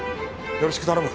よろしく頼む。